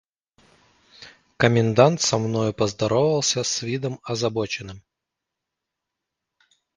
Комендант со мною поздоровался с видом озабоченным.